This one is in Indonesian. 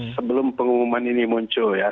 sebelum pengumuman ini muncul ya